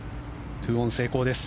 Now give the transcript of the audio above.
２オン成功です。